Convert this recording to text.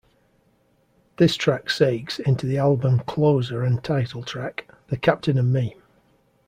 This track segues into the album closer and title track, "The Captain and Me".